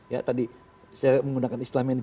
ya tadi saya menggunakan istilah manajemen